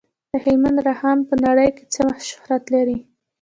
د هلمند رخام په نړۍ کې څه شهرت لري؟